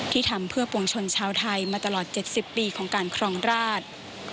ทำเพื่อปวงชนชาวไทยมาตลอด๗๐ปีของการครองราช